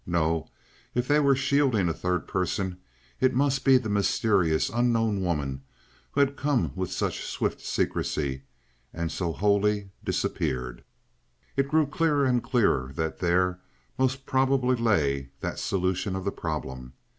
No; if they were shielding a third person, it must be the mysterious, unknown woman who had come with such swift secrecy and so wholly disappeared. It grew clearer and clearer that there most probably lay that solution of the problem.